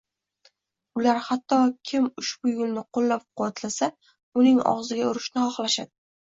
Ular hatto kim ushbu yo‘lni qo‘llab-quvvatlasa uning og‘ziga urishni xohlashadi